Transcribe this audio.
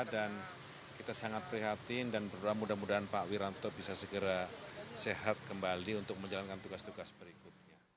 dan kita sangat prihatin dan berdoa mudah mudahan pak wiranto bisa segera sehat kembali untuk menjalankan tugas tugas berikutnya